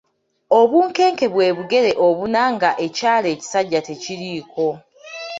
Obunkenke bwe bugere obuna nga ekyala ekisajja tekiriiko .